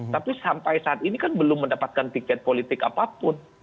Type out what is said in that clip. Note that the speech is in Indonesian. tapi sampai saat ini kan belum mendapatkan tiket politik apapun